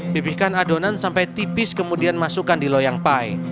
pipihkan adonan sampai tipis kemudian masukkan di loyang pie